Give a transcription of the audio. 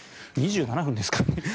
２７分ですからね。